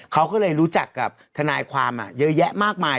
เขาก็เลยรู้จักกับทนายความเยอะแยะมากมาย